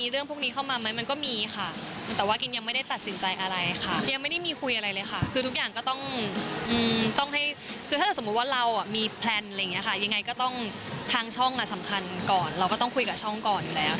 เราไปช่องไหนก็ได้อยู่แล้ว